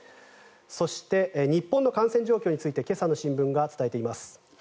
そして、日本の感染状況について今朝の新聞が伝えています。